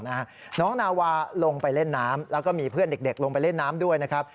น้องนาวาลงไปเล่นน้ำแล้วก็มีเพื่อนเด็กลงไปเล่นน้ำด้วยนะครับ